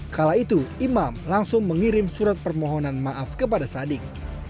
kala itu imam langsung mengirim surat permohonan maaf kepada sadik